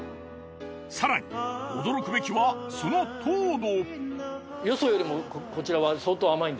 更に驚くべきはその糖度。